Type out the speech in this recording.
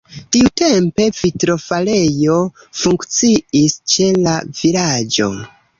Tiutempe vitrofarejo funkciis ĉe la vilaĝo.